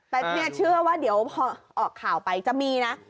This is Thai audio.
แต่เนี่ยเชื่อว่าเดี๋ยวพอออกข่าวไปจะมีนะ